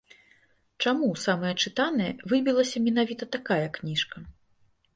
Чаму ў самыя чытаныя выбілася менавіта такая кніжка?